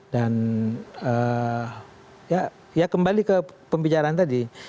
dan ya kembali ke pembicaraan tadi